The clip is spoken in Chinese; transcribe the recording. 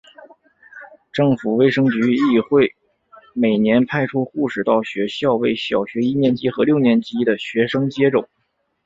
政府卫生局亦会每年派出护士到学校为小学一年级和六年级的学生接种。